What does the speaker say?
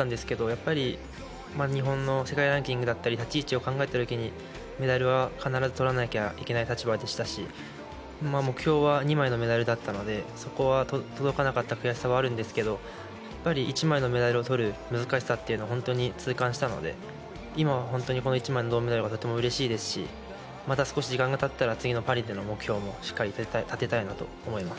やっぱり日本の世界ランキングだったり立ち位置を考えた時にメダルは必ず取らなきゃいけない立場でしたし目標は２枚のメダルだったのでそこは届かなかった悔しさはあるんですけど１枚のメダルを取る難しさというのを本当に痛感したので今は本当にこの１枚の銅メダルはうれしいですしまた少し時間がたったら次のパリの目標もしっかり立てたいと思います。